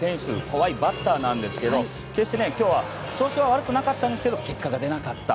怖いバッターなんですけれども決して今日、調子は悪くなかったんですけど結果が出なかった。